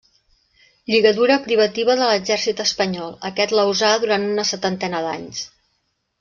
Lligadura privativa de l'exèrcit espanyol, aquest la usà durant una setantena d'anys.